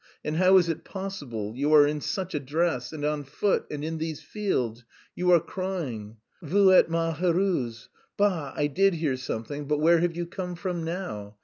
"And how is it possible... you are in such a dress... and on foot, and in these fields?... You are crying! Vous êtes malheureuse. Bah, I did hear something.... But where have you come from now?"